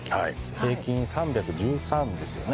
平均３１３ですよね？